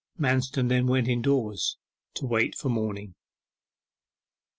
Manston then went indoors, to wait for morning.